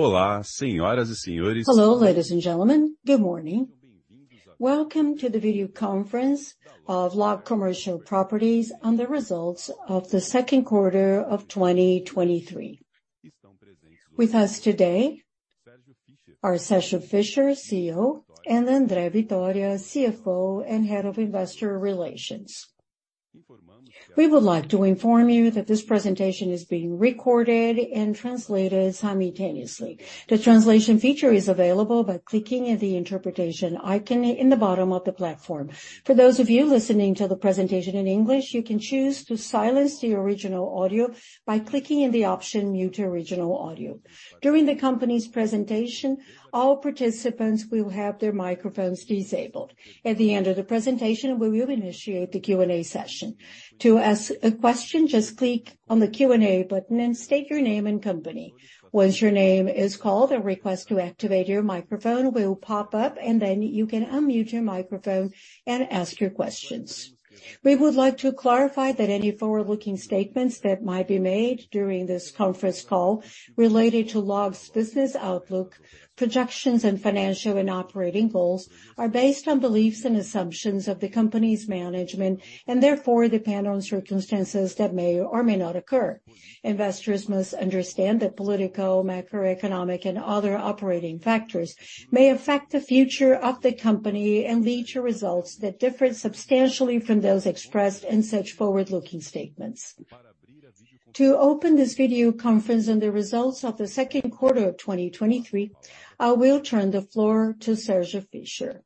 Hello, ladies and gentlemen. Good morning. Welcome to the video conference of LOG Commercial Properties on the results of the 2Q 2023. With us today are Sergio Fischer, CEO, and Andréia Vitoria, CFO and Head of Investor Relations. We would like to inform you that this presentation is being recorded and translated simultaneously. The translation feature is available by clicking in the Interpretation icon in the bottom of the platform. For those of you listening to the presentation in English, you can choose to silence the original audio by clicking in the option Mute Original Audio. During the company's presentation, all participants will have their microphones disabled. At the end of the presentation, we will initiate the Q&A session. To ask a question, just click on the Q&A button and state your name and company. Once your name is called, a request to activate your microphone will pop up, and then you can unmute your microphone and ask your questions. We would like to clarify that any forward-looking statements that might be made during this conference call related to LOG's business outlook, projections, and financial and operating goals, are based on beliefs and assumptions of the company's management, and therefore depend on circumstances that may or may not occur. Investors must understand that political, macroeconomic, and other operating factors may affect the future of the company and lead to results that differ substantially from those expressed in such forward-looking statements. To open this video conference and the results of the second quarter of 2023, I will turn the floor to Sergio Fischer.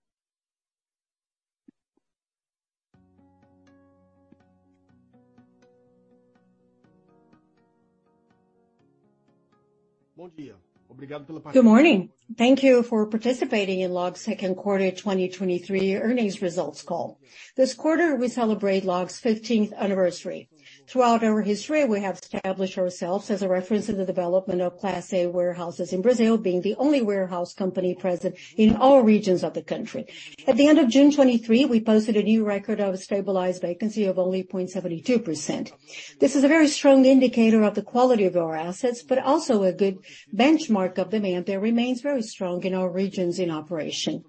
Good morning. Thank you for participating in LOG's second quarter 2023 earnings results call. This quarter, we celebrate LOG's 15th anniversary. Throughout our history, we have established ourselves as a reference in the development of Class A warehouses in Brazil, being the only warehouse company present in all regions of the country. At the end of June 2023, we posted a new record of a stabilized vacancy of only 0.72%. This is a very strong indicator of the quality of our assets, but also a good benchmark of demand that remains very strong in our regions in operation.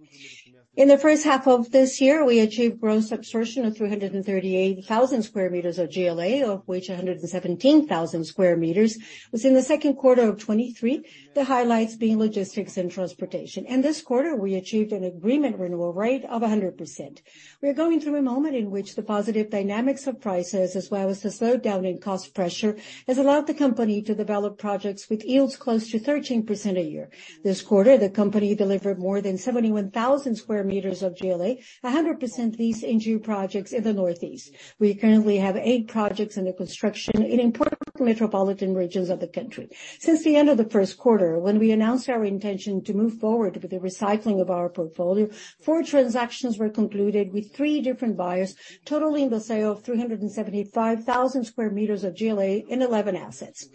In the first half of this year, we achieved gross absorption of 338,000 square meters of GLA, of which 117,000 square meters was in the second quarter of 2023. The highlights being logistics and transportation. This quarter, we achieved an agreement renewal rate of 100%. We are going through a moment in which the positive dynamics of prices, as well as the slowdown in cost pressure, has allowed the company to develop projects with yields close to 13% a year. This quarter, the company delivered more than 71,000 square meters of GLA, 100% leased into projects in the Northeast. We currently have eight projects under construction in important metropolitan regions of the country. Since the end of the 1st quarter, when we announced our intention to move forward with the recycling of our portfolio, four transactions were concluded with three different buyers, totaling the sale of 375,000 square meters of GLA in 11 assets.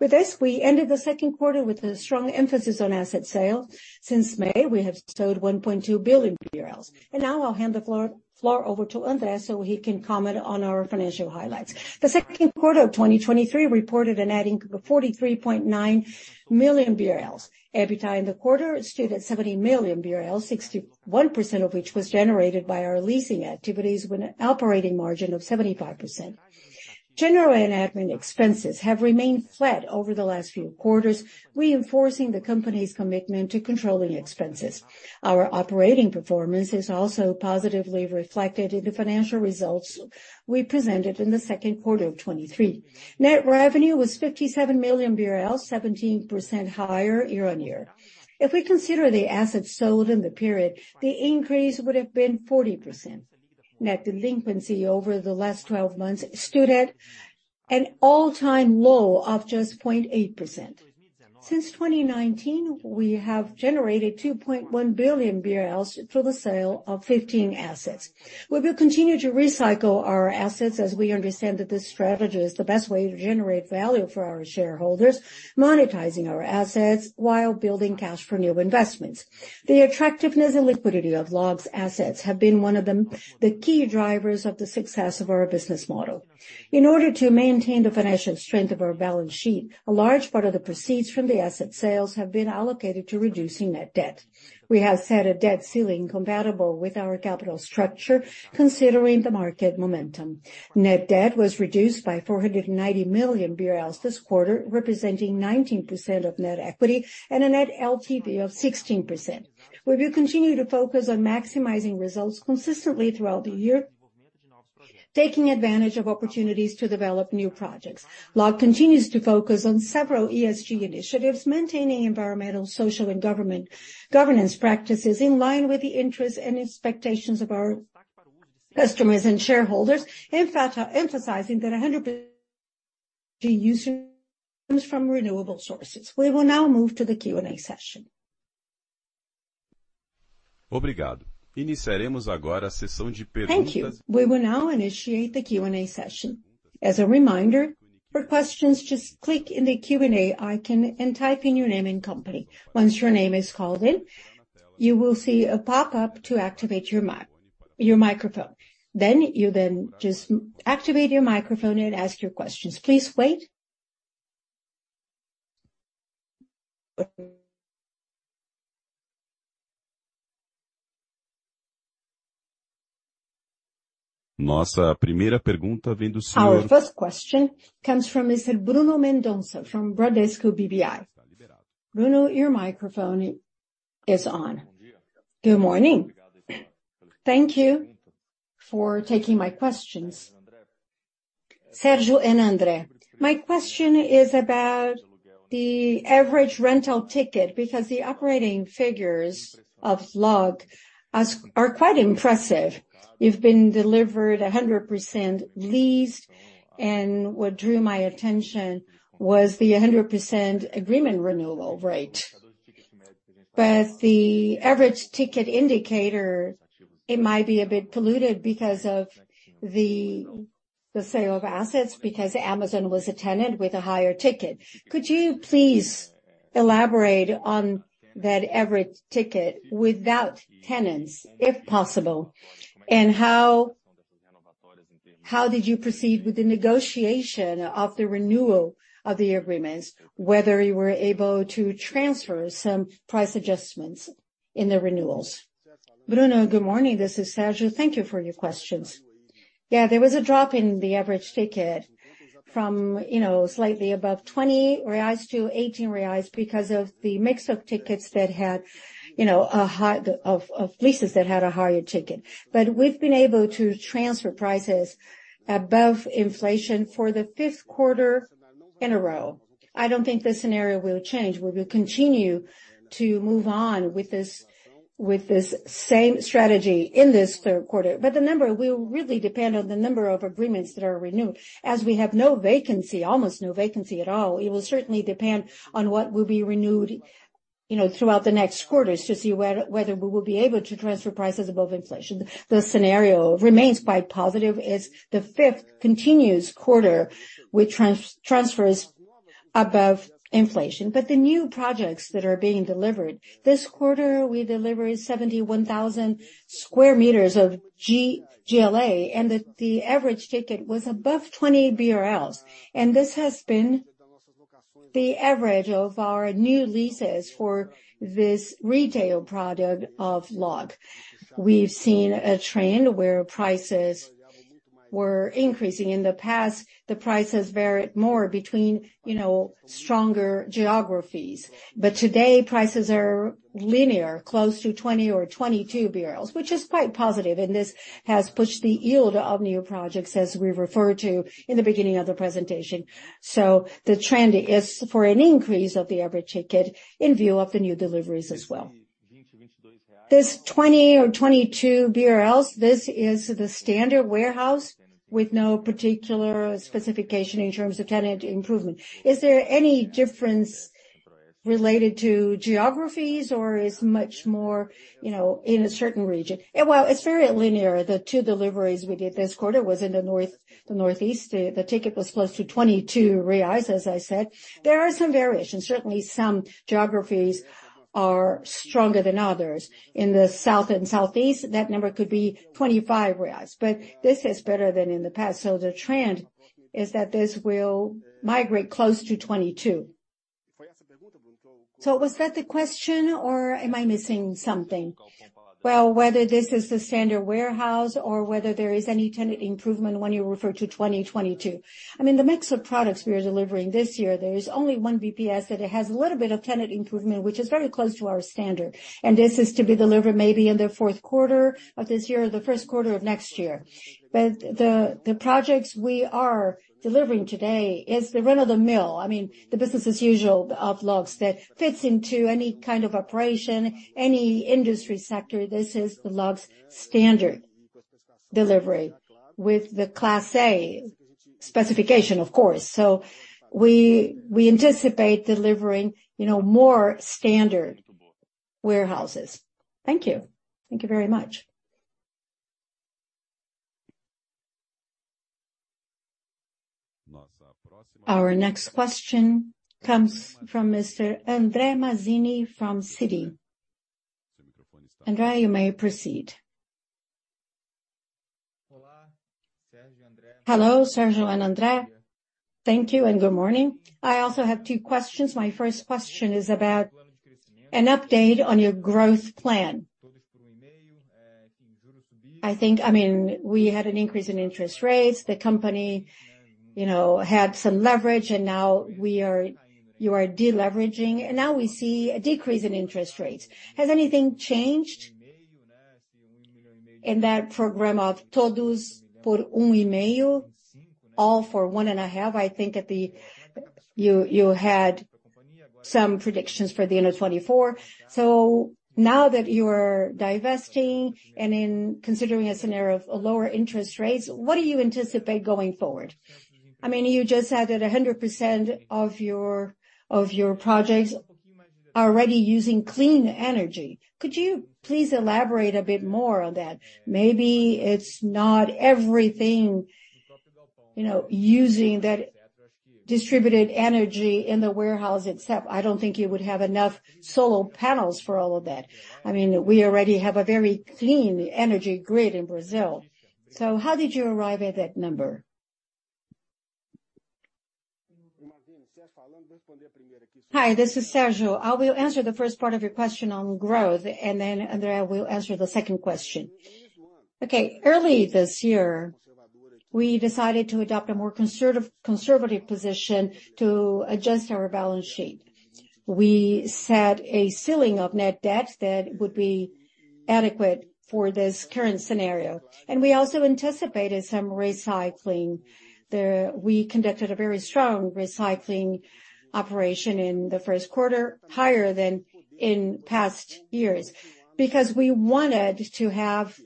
With this, we ended the 2nd quarter with a strong emphasis on asset sales. Since May, we have sold 1.2 billion BRL. Now I'll hand the floor over to Andre, so he can comment on our financial highlights. The second quarter of 2023 reported an adding of 43.9 million BRL. EBITDA in the quarter stood at 70 million BRL, 61% of which was generated by our leasing activities, with an operating margin of 75%. General and admin expenses have remained flat over the last few quarters, reinforcing the company's commitment to controlling expenses. Our operating performance is also positively reflected in the financial results we presented in the second quarter of 2023. Net revenue was 57 million BRL, 17% higher year-on-year. If we consider the assets sold in the period, the increase would have been 40%. Net delinquency over the last 12 months stood at an all-time low of just 0.8%. Since 2019, we have generated 2.1 billion BRL through the sale of 15 assets. We will continue to recycle our assets as we understand that this strategy is the best way to generate value for our shareholders, monetizing our assets while building cash for new investments. The attractiveness and liquidity of LOG's assets have been one of the key drivers of the success of our business model. In order to maintain the financial strength of our balance sheet, a large part of the proceeds from the asset sales have been allocated to reducing net debt. We have set a debt ceiling compatible with our capital structure, considering the market momentum. Net debt was reduced by 490 million BRL this quarter, representing 19% of net equity and a net LTV of 16%. We will continue to focus on maximizing results consistently throughout the year, taking advantage of opportunities to develop new projects. LOG continues to focus on several ESG initiatives, maintaining environmental, social, and governance practices in line with the interests and expectations of our customers and shareholders. In fact, emphasizing that 100% comes from renewable sources. We will now move to the Q&A session. Thank you. We will now initiate the Q&A session. As a reminder, for questions, just click in the Q&A icon and type in your name and company. Once your name is called in, you will see a pop-up to activate your mic. Your microphone. Then you just activate your microphone and ask your questions. Please wait. Our first question comes from Mr. Bruno Mendonça, from Bradesco BBI. Bruno, your microphone is on. Good morning. Thank you for taking my questions. Sergio Fischer and Andre Vitoria, my question is about the average rental ticket, because the operating figures of LOG are quite impressive. You've been delivered 100% leased, and what drew my attention was the 100% agreement renewal rate. The average ticket indicator, it might be a bit polluted because of the sale of assets, because Amazon was a tenant with a higher ticket. Could you please elaborate on that average ticket without tenants, if possible? How did you proceed with the negotiation of the renewal of the agreements, whether you were able to transfer some price adjustments in the renewals? Bruno Mendonca, good morning. This is Sergio Fischer. Thank you for your questions. Yeah, there was a drop in the average ticket from, you know, slightly above 20 reais to 18 reais because of the mix of tickets that had, you know, a high of leases that had a higher ticket. But we've been able to transfer prices above inflation for the 5th quarter in a row. I don't think this scenario will change. We will continue to move on with this, with this same strategy in this 3rd quarter. But the number will really depend on the number of agreements that are renewed. As we have no vacancy, almost no vacancy at all, it will certainly depend on what will be renewed, you know, throughout the next quarters, to see whether we will be able to transfer prices above inflation. The scenario remains quite positive. It's the 5th continuous quarter with transfers above inflation. The new projects that are being delivered, this quarter, we delivered 71,000 square meters of GLA, and the average ticket was above 20 BRL. This has been the average of our new leases for this retail product of LOG. We've seen a trend where prices were increasing. In the past, the prices varied more between, you know, stronger geographies, but today, prices are linear, close to 20 BRL or 22 BRL, which is quite positive, and this has pushed the yield of new projects, as we referred to in the beginning of the presentation. The trend is for an increase of the average ticket in view of the new deliveries as well. This 20 BRL or 22 BRL, this is the standard warehouse with no particular specification in terms of tenant improvement. Is there any difference related to geographies, or is much more, you know, in a certain region? Well, it's very linear. The two deliveries we did this quarter was in the North, the Northeast. The ticket was close to 22 reais, as I said. There are some variations. Certainly, some geographies are stronger than others. In the South and Southeast, that number could be 25 reais, but this is better than in the past. The trend is that this will migrate close to 22. Was that the question, or am I missing something? Well, whether this is the standard warehouse or whether there is any tenant improvement when you refer to 20/22. I mean, the mix of products we are delivering this year, there is only one BTS, that it has a little bit of tenant improvement, which is very close to our standard, and this is to be delivered maybe in the fourth quarter of this year, or the first quarter of next year. The projects we are delivering today is the run-of-the-mill. I mean, the business as usual of LOG's that fits into any kind of operation, any industry sector. This is the LOG's standard delivery with the Class A specification, of course. We anticipate delivering, you know, more standard warehouses. Thank you. Thank you very much. Our next question comes from Mr. Andre Mazini, from Citi. Andre, you may proceed. Hello, Sergio and Andre. Thank you and good morning. I also have two questions. My first question is about an update on your growth plan. I think, I mean, we had an increase in interest rates. The company, you know, had some leverage, and now you are de-leveraging, and now we see a decrease in interest rates. Has anything changed in that program of Todos por Um e Meio, all for one and a half? You had some predictions for the end of 2024. Now that you're divesting and in considering a scenario of lower interest rates, what do you anticipate going forward? I mean, you just said that 100% of your projects are already using clean energy. Could you please elaborate a bit more on that? Maybe it's not everything, you know, using that distributed energy in the warehouse itself, I don't think you would have enough solar panels for all of that. I mean, we already have a very clean energy grid in Brazil. How did you arrive at that number? Hi, this is Sergio. I will answer the first part of your question on growth, and then Andre will answer the second question. Okay, early this year, we decided to adopt a more conservative position to adjust our balance sheet. We set a ceiling of net debt that would be adequate for this current scenario, and we also anticipated some recycling. We conducted a very strong recycling operation in the first quarter, higher than in past years, because we wanted to have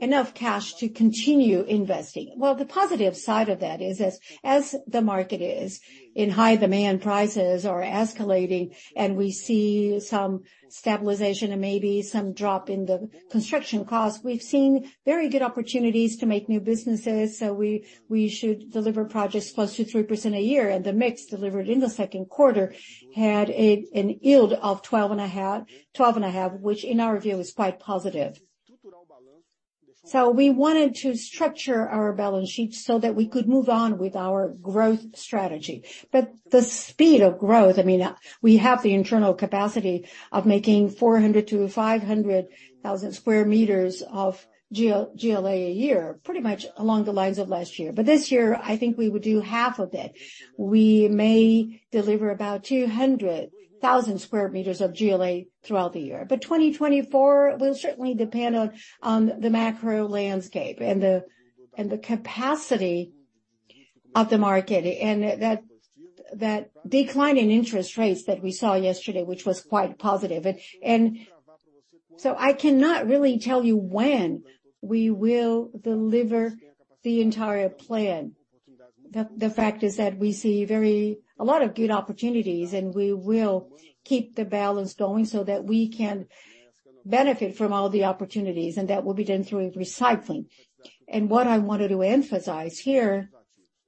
enough cash to continue investing. Well, the positive side of that is, as the market is in high demand, prices are escalating and we see some stabilization and maybe some drop in the construction costs. We've seen very good opportunities to make new businesses. We, we should deliver projects close to 3% a year, and the mix delivered in the second quarter had a, an yield of 12.5%, which in our view, is quite positive. We wanted to structure our balance sheet so that we could move on with our growth strategy. The speed of growth, I mean, we have the internal capacity of making 400,000-500,000 square meters of GLA a year, pretty much along the lines of last year. This year, I think we would do half of it. We may deliver about 200,000 square meters of GLA throughout the year. 2024 will certainly depend on, on the macro landscape and the, and the capacity of the market, and that, that decline in interest rates that we saw yesterday, which was quite positive. And so I cannot really tell you when we will deliver the entire plan. The, the fact is that we see very-- a lot of good opportunities, and we will keep the balance going so that we can benefit from all the opportunities, and that will be done through recycling. What I wanted to emphasize here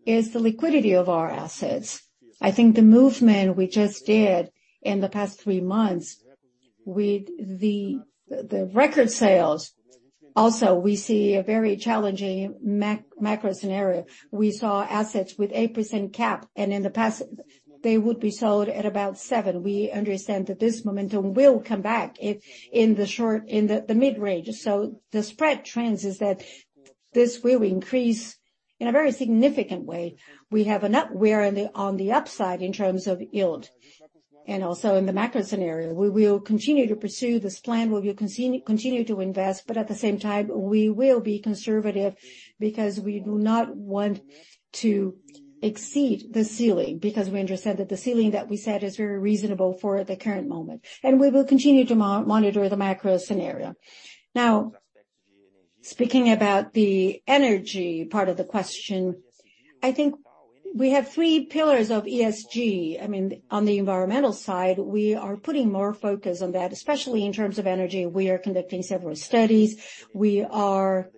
is the liquidity of our assets. I think the movement we just did in the past three months with the, the record sales, also, we see a very challenging mac, macro scenario. We saw assets with 8% cap, and in the past, they would be sold at about 7%. We understand that this momentum will come back in, in the short, in the, the mid-range. The spread trends is that this will increase in a very significant way. We are on the upside in terms of yield and also in the macro scenario. We will continue to pursue this plan. We will continue to invest, at the same time, we will be conservative because we do not want to exceed the ceiling, because we understand that the ceiling that we set is very reasonable for the current moment, and we will continue to monitor the macro scenario. Speaking about the energy part of the question, I mean, I think we have three pillars of ESG. On the environmental side, we are putting more focus on that, especially in terms of energy. We are conducting several studies. We are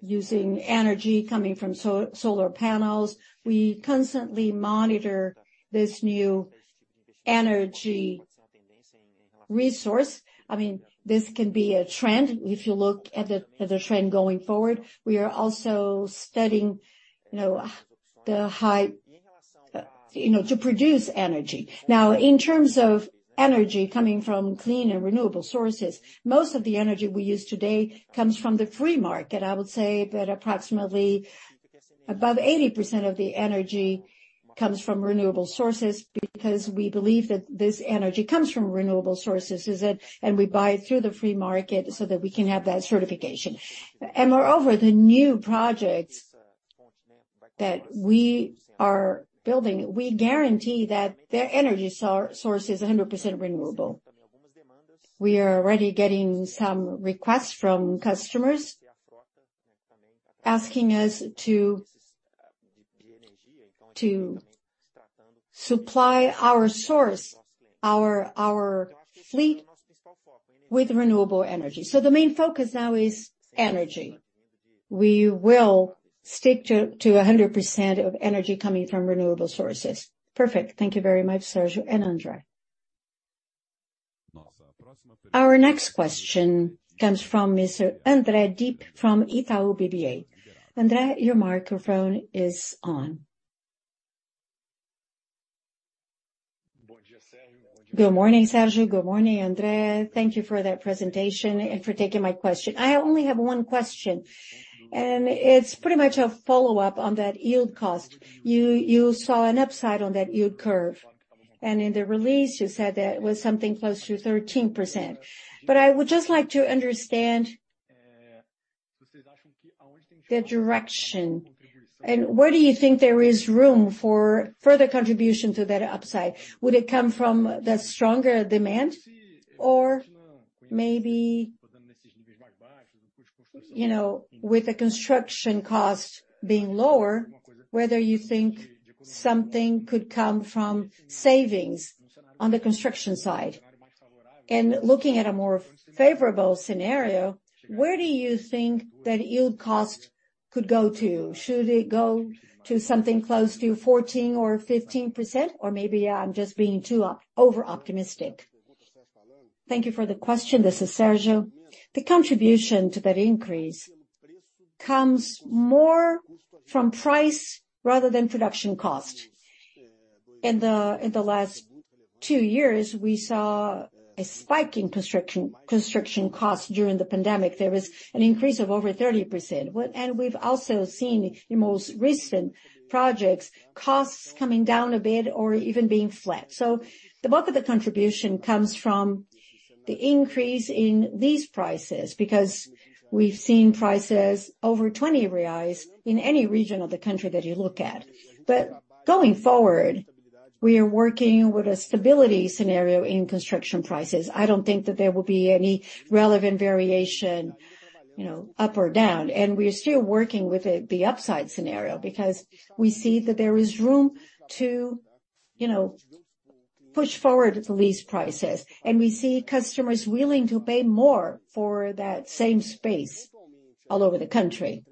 using energy coming from solar panels. We constantly monitor this new energy resource. I mean, this can be a trend if you look at the, at the trend going forward. We are also studying, you know, the high, you know, to produce energy. Now, in terms of energy coming from clean and renewable sources, most of the energy we use today comes from the free market. I would say that approximately above 80% of the energy comes from renewable sources, because we believe that this energy comes from renewable sources, is it, and we buy it through the free market so that we can have that certification. Moreover, the new projects that we are building, we guarantee that their energy source is 100% renewable. We are already getting some requests from customers asking us to, to supply our source, our, our fleet with renewable energy. The main focus now is energy. We will stick to 100% of energy coming from renewable sources. Perfect. Thank you very much, Sergio and Andrea. Our next question comes from Mr. André Dibe from Itaú BBA. Andre, your microphone is on. Good morning, Sergio. Good morning, Andrea. Thank you for that presentation and for taking my question. I only have one question, and it's pretty much a follow-up on that yield cost. You, you saw an upside on that yield curve, and in the release, you said that it was something close to 13%. I would just like to understand the direction and where do you think there is room for further contribution to that upside? Would it come from the stronger demand? Maybe, you know, with the construction cost being lower, whether you think something could come from savings on the construction side? Looking at a more favorable scenario, where do you think that yield cost could go to? Should it go to something close to 14% or 15%, or maybe I'm just being too over-optimistic? Thank you for the question. This is Sergio. The contribution to that increase comes more from price rather than production cost. In the, in the last two years, we saw a spike in construction, construction costs during the pandemic. There was an increase of over 30%. We've also seen in most recent projects, costs coming down a bit or even being flat. The bulk of the contribution comes from the increase in these prices, because we've seen prices over 20 reais in any region of the country that you look at. Going forward, we are working with a stability scenario in construction prices. I don't think that there will be any relevant variation, you know, up or down. We are still working with the, the upside scenario because we see that there is room to, you know, push forward the lease prices, and we see customers willing to pay more for that same space all over the country.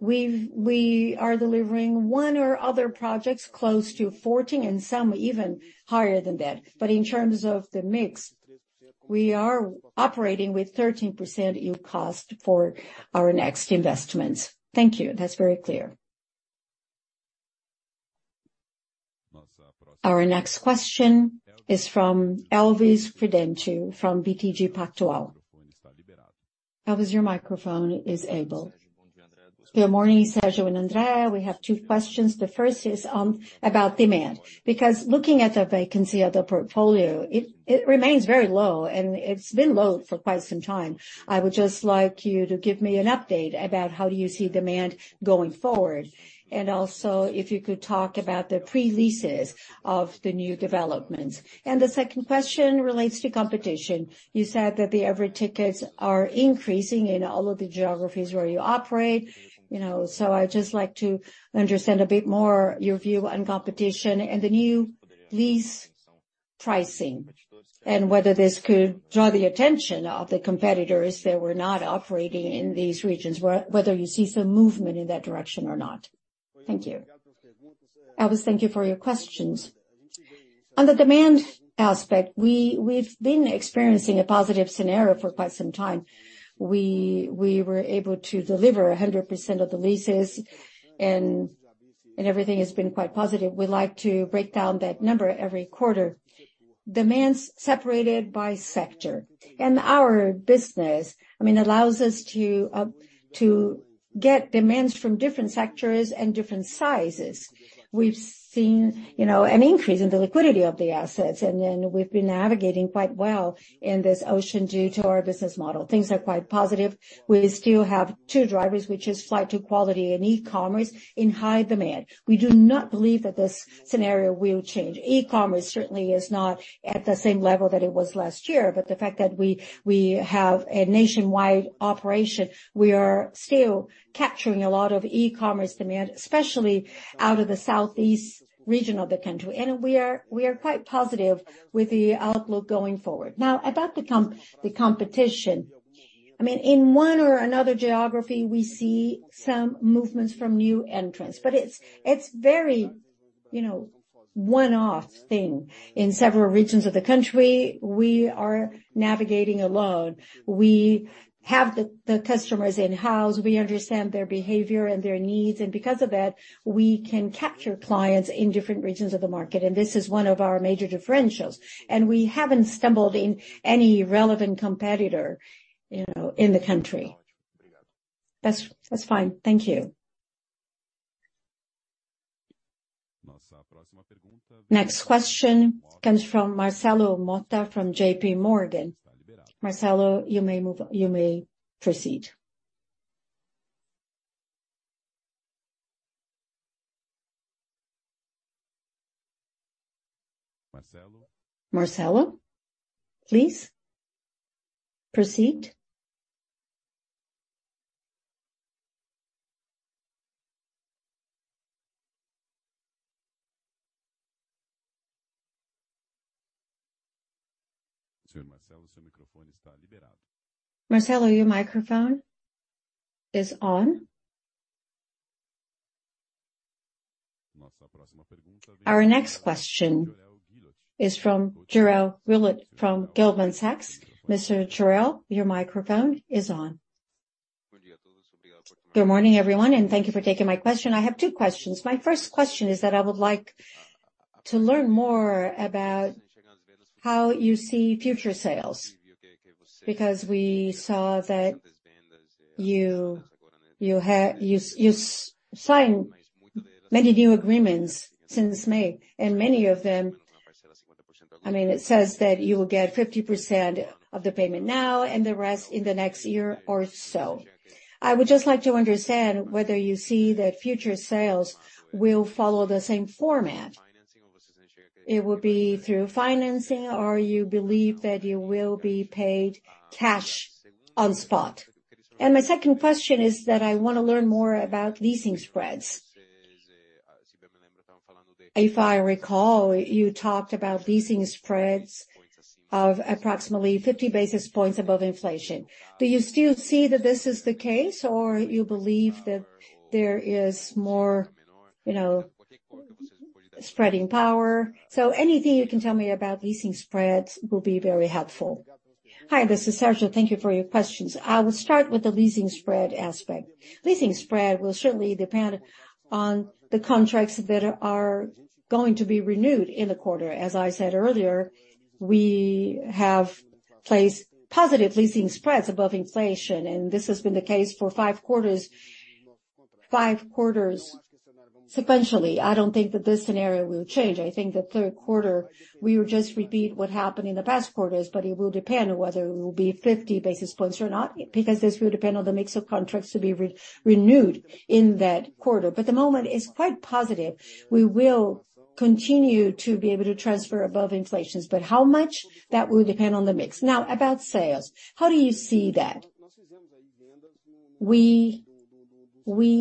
We are delivering one or other projects close to 14%, and some even higher than that. In terms of the mix, we are operating with 13% yield on cost for our next investments. Thank you. That's very clear. Our next question is from Elvis Prudencio, from BTG Pactual. Elvis, your microphone is able. Good morning, Sergio and Andrea. We have two questions. The first is about demand, because looking at the vacancy of the portfolio, it, it remains very low, and it's been low for quite some time. I would just like you to give me an update about how do you see demand going forward, and also if you could talk about the pre-leases of the new developments. The second question relates to competition. You said that the average tickets are increasing in all of the geographies where you operate, you know, so I'd just like to understand a bit more your view on competition and the new lease pricing, and whether this could draw the attention of the competitors that were not operating in these regions, whether you see some movement in that direction or not. Thank you. Elvis, thank you for your questions. On the demand aspect, We've been experiencing a positive scenario for quite some time. We were able to deliver 100% of the leases, and everything has been quite positive. We like to break down that number every quarter. Demand's separated by sector. Our business, I mean, allows us to get demands from different sectors and different sizes. We've seen, you know, an increase in the liquidity of the assets. We've been navigating quite well in this ocean due to our business model. Things are quite positive. We still have two drivers, which is flight to quality and e-commerce, in high demand. We do not believe that this scenario will change. E-commerce certainly is not at the same level that it was last year, but the fact that we, we have a nationwide operation, we are still capturing a lot of e-commerce demand, especially out of the Southeast region of the country, and we are, we are quite positive with the outlook going forward. Now, about the competition, I mean, in one or another geography, we see some movements from new entrants, but it's, it's very, you know, one-off thing. In several regions of the country, we are navigating alone. We have the, the customers in-house, we understand their behavior and their needs, and because of that, we can capture clients in different regions of the market, and this is one of our major differentials. We haven't stumbled in any relevant competitor, you know, in the country. That's, that's fine. Thank you. Next question comes from Marcelo Motta, from JPMorgan. Marcelo, you may proceed. Marcelo? Marcelo, please proceed. Marcelo, your microphone is on. Our next question is from Jorel Guilloty from Goldman Sachs. Mr. Jorel, your microphone is on. Good morning, everyone, and thank you for taking my question. I have two questions. My first question is that I would like to learn more about how you see future sales, because we saw that you, you signed many new agreements since May, and many of them, I mean, it says that you will get 50% of the payment now and the rest in the next year or so. I would just like to understand whether you see that future sales will follow the same format. It will be through financing, or you believe that you will be paid cash on spot? My second question is that I want to learn more about leasing spreads. If I recall, you talked about leasing spreads of approximately 50 basis points above inflation. Do you still see that this is the case, or you believe that there is more, you know, spreading power? Anything you can tell me about leasing spreads will be very helpful. Hi, this is Sergio. Thank you for your questions. I will start with the leasing spread aspect. Leasing spread will certainly depend on the contracts that are going to be renewed in the quarter. As I said earlier, we have placed positive leasing spreads above inflation, and this has been the case for five quarters, five quarters sequentially. I don't think that this scenario will change. I think the third quarter, we will just repeat what happened in the past quarters, but it will depend on whether it will be 50 basis points or not, because this will depend on the mix of contracts to be re-renewed in that quarter. The moment is quite positive. We will continue to be able to transfer above inflations, but how much? That will depend on the mix. About sales, how do you see that? We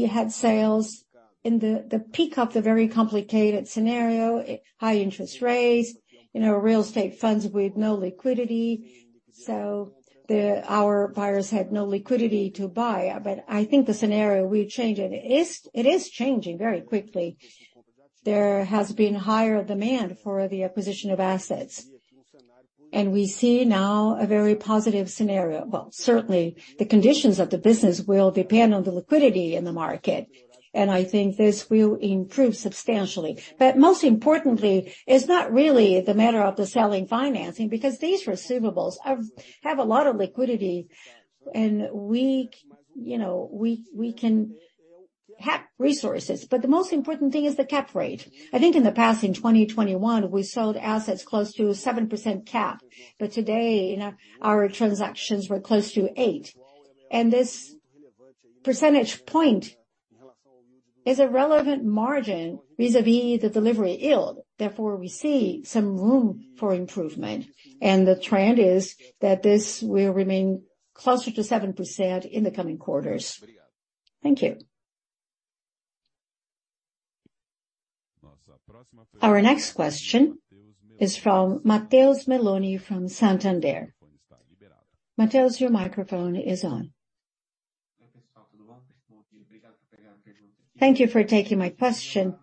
had sales in the peak of the very complicated scenario, high interest rates, you know, real estate funds with no liquidity. Our buyers had no liquidity to buy. I think the scenario will change, and it is changing very quickly. There has been higher demand for the acquisition of assets, and we see now a very positive scenario. Well, certainly, the conditions of the business will depend on the liquidity in the market, and I think this will improve substantially. Most importantly, it's not really the matter of the selling financing, because these receivables have, have a lot of liquidity, and we, you know, we, we can have resources, but the most important thing is the cap rate. I think in the past, in 2021, we sold assets close to 7% cap, but today, you know, our transactions were close to 8%, and this percentage point is a relevant margin vis-à-vis the delivery yield. Therefore, we see some room for improvement, and the trend is that this will remain closer to 7% in the coming quarters. Thank you. Our next question is from Matheus Meloni, from Santander. Matheus, your microphone is on. Thank you for taking my question.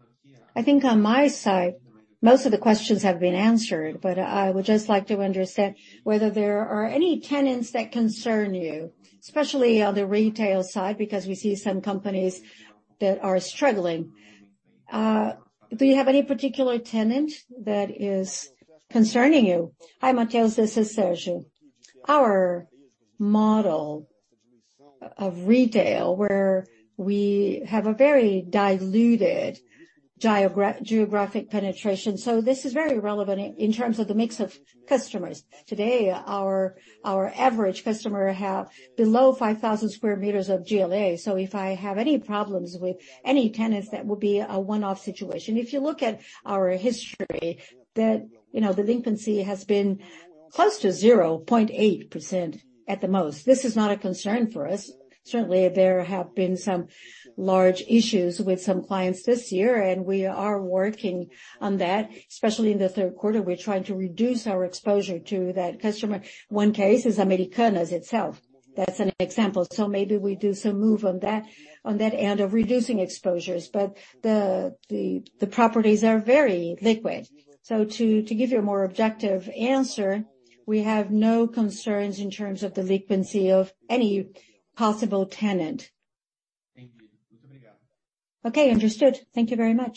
I think on my side, most of the questions have been answered, but I would just like to understand whether there are any tenants that concern you, especially on the retail side, because we see some companies that are struggling. Do you have any particular tenant that is concerning you? Hi, Matheus, this is Sergio. Our model of retail, where we have a very diluted geographic penetration, so this is very relevant in terms of the mix of customers. Today, our, our average customer have below 5,000 square meters of GLA. So if I have any problems with any tenants, that will be a one-off situation. If you look at our history, that, you know, the delinquency has been close to 0.8% at the most. This is not a concern for us. Certainly, there have been some large issues with some clients this year, and we are working on that, especially in the third quarter. We're trying to reduce our exposure to that customer. One case is Americanas itself. That's an example. Maybe we do some move on that, on that end of reducing exposures, but the properties are very liquid. To give you a more objective answer, we have no concerns in terms of the delinquency of any possible tenant. Thank you. Okay, understood. Thank you very much.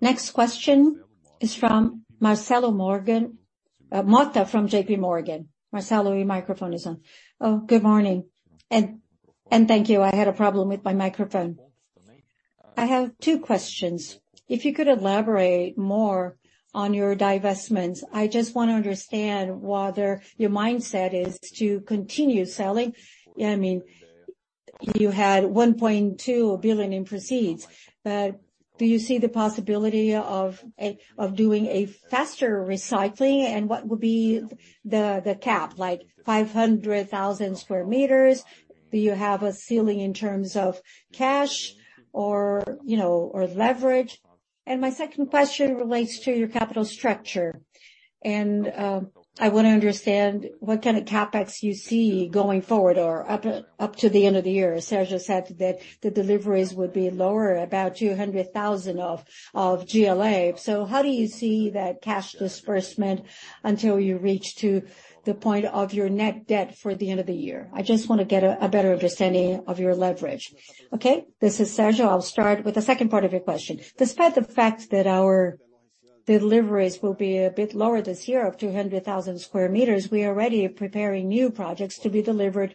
Next question is from Marcelo Motta from JPMorgan. Marcelo, your microphone is on. Good morning, and thank you. I had a problem with my microphone. I have two questions. If you could elaborate more on your divestments, I just want to understand whether your mindset is to continue selling. I mean, you had 1.2 billion in proceeds, do you see the possibility of a of doing a faster recycling, and what would be the cap, like 500,000 square meters? Do you have a ceiling in terms of cash or, you know, or leverage? My second question relates to your capital structure. I want to understand what kind of CapEx you see going forward or up to the end of the year. Sergio said that the deliveries would be lower, about 200,000 of GLA. How do you see that cash disbursement until you reach to the point of your net debt for the end of the year? I just want to get a better understanding of your leverage. Okay, this is Sergio. I'll start with the second part of your question. Despite the fact that our deliveries will be a bit lower this year of 200,000 square meters, we are already preparing new projects to be delivered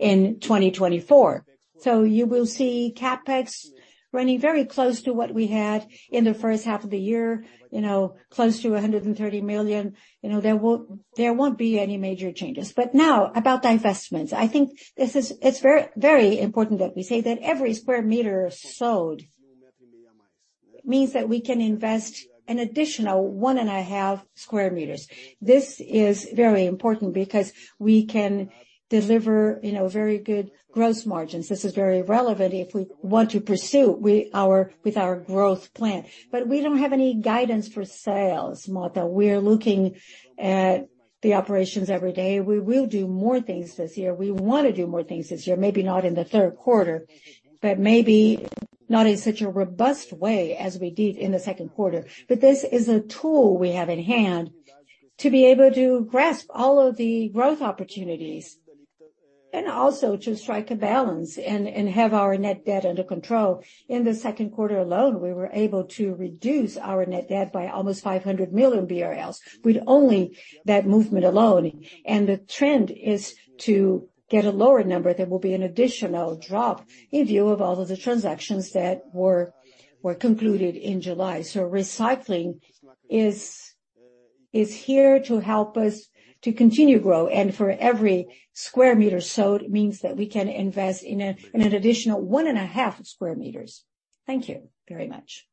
in 2024. You will see CapEx running very close to what we had in the first half of the year, you know, close to 130 million. You know, there won't, there won't be any major changes. Now, about divestments, I think this is, it's very, very important that we say that every square meter sold means that we can invest an additional 1.5 square meters. This is very important because we can deliver, you know, very good gross margins. This is very relevant if we want to pursue we, our, with our growth plan. We don't have any guidance for sales, Marta. We're looking at the operations every day. We will do more things this year. We want to do more things this year, maybe not in the third quarter, but maybe not in such a robust way as we did in the second quarter. This is a tool we have in hand, to be able to grasp all of the growth opportunities, and also to strike a balance and have our net debt under control. In the second quarter alone, we were able to reduce our net debt by almost 500 million BRL, with only that movement alone. The trend is to get a lower number. There will be an additional drop in view of all of the transactions that were concluded in July. Recycling is here to help us to continue to grow, and for every square meter sowed, means that we can invest in an additional 1.5 square meters. Thank you very much.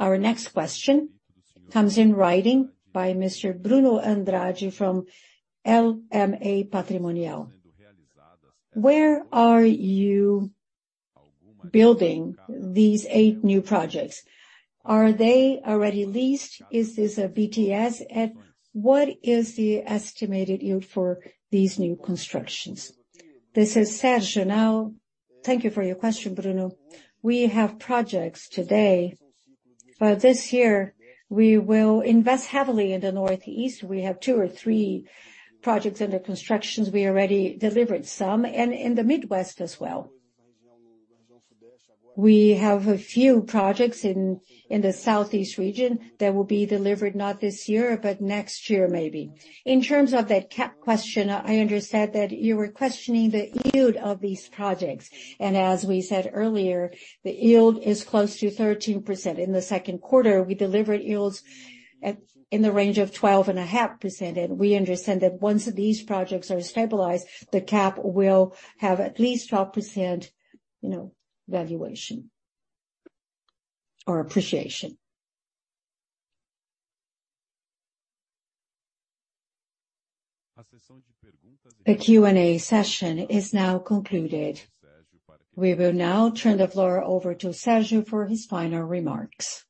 Our next question comes in writing by Mr. Bruno Andrade from LMA Patrimonial. Where are you building these eight new projects? Are they already leased? Is this a BTS? What is the estimated yield for these new constructions? This is Sergio now. Thank you for your question, Bruno. We have projects today, but this year we will invest heavily in the Northeast. We have two or three projects under constructions. We already delivered some, and in the Midwest as well. We have a few projects in the Southeast region that will be delivered, not this year, but next year, maybe. In terms of the cap question, I understand that you were questioning the yield of these projects, and as we said earlier, the yield is close to 13%. In the second quarter, we delivered yields at, in the range of 12.5%, and we understand that once these projects are stabilized, the cap will have at least 12%, you know, valuation or appreciation. The Q&A session is now concluded. We will now turn the floor over to Sergio for his final remarks.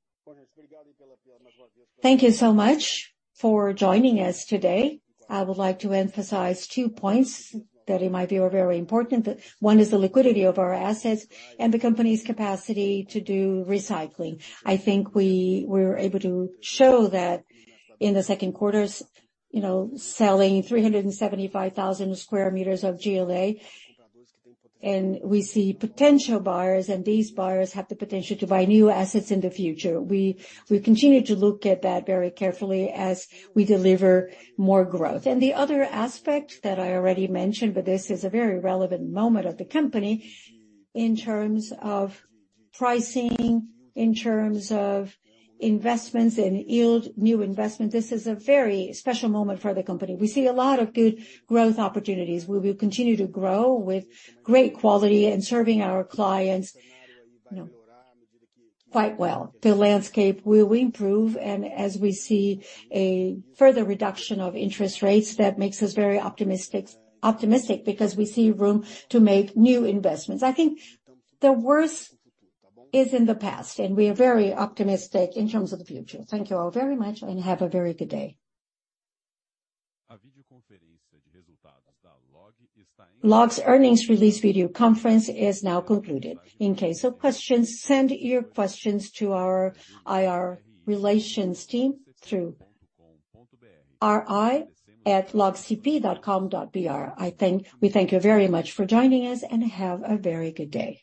Thank you so much for joining us today. I would like to emphasize two points that in my view, are very important. One is the liquidity of our assets and the company's capacity to do recycling. I think we were able to show that in the second quarters, you know, selling 375,000 square meters of GLA, and we see potential buyers, and these buyers have the potential to buy new assets in the future. We, we continue to look at that very carefully as we deliver more growth. The other aspect that I already mentioned, but this is a very relevant moment of the company in terms of pricing, in terms of investments and yield, new investment. This is a very special moment for the company. We see a lot of good growth opportunities. We will continue to grow with great quality and serving our clients, you know, quite well. The landscape will improve, and as we see a further reduction of interest rates, that makes us very optimistic, because we see room to make new investments. I think the worst is in the past, and we are very optimistic in terms of the future. Thank you all very much, and have a very good day. LOG's earnings release video conference is now concluded. In case of questions, send your questions to our IR relations team through ri@logcp.com.br. We thank you very much for joining us, and have a very good day.